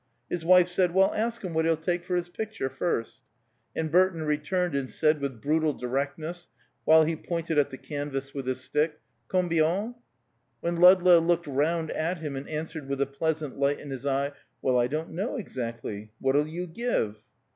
His wife said: "Well, ask him what he'll take for his picture, first," and Burton returned and said with brutal directness, while he pointed at the canvas with his stick, "Combien?" When Ludlow looked round up at him and answered with a pleasant light in his eye, "Well, I don't know exactly. What'll you give?"